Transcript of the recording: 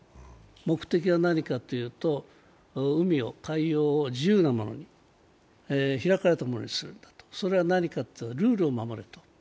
目的は何かというと、海を海洋を自由なものに開かれたものにするっていうことルールを守ると。